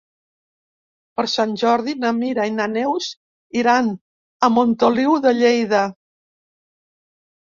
Per Sant Jordi na Mira i na Neus iran a Montoliu de Lleida.